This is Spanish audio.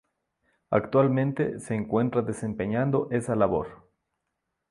Actualmente, se encuentra desempeñando esa labor.